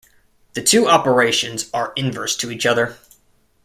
The two operations are inverse to each other.